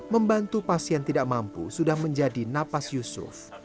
membantu pasien tidak mampu sudah menjadi napas yusuf